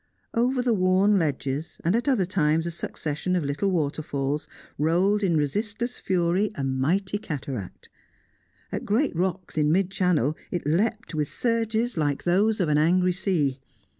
Over the worn ledges, at other times a succession of little waterfalls, rolled in resistless fury a mighty cataract; at great rocks in mid channel it leapt with surges like those of an angry sea.